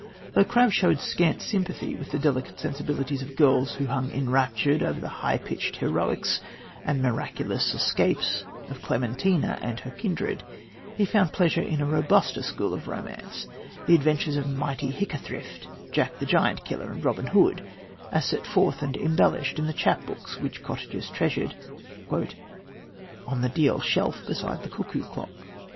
Though Crabbe showed scant sympathy with the delicate sensibilities of girls who hung enraptured over the high pitched heroics and miraculous escapes of Clementina and her kindred, he found pleasure in a robuster school of romance the adventures of mighty Hickathrift, Jack the Giant killer, and Robin Hood, as set forth and embellished in the chapbooks which cottagers treasured "on the deal shelf beside the cuckoo clock."